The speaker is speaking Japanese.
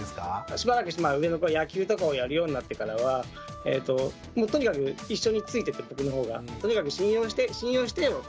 しばらくして上の子が野球とかをやるようになってからはとにかく一緒についてって僕のほうが。